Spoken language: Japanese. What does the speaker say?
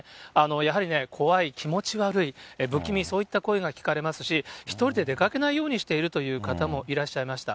やはりね、怖い、気持ち悪い、不気味、そういった声が聞かれますし、１人で出かけないようにしているという方もいらっしゃいました。